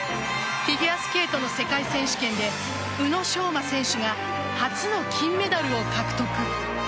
フィギュアスケートの世界選手権で宇野昌磨選手が初の金メダルを獲得。